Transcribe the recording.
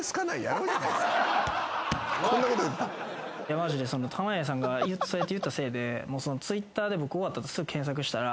マジで濱家さんがそうやって言ったせいでＴｗｉｔｔｅｒで終わった後すぐ検索したら。